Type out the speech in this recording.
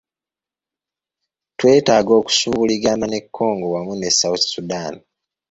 Twetaaga okusuubuligana ne Congo wamu ne South Sudan,